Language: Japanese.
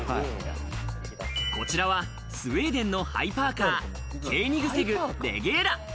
こちらはスウェーデンのハイパーカ、ケーニグセグ・レゲーラ。